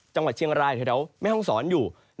จังหวัดเชียงรายแถวแม่ห้องศรอยู่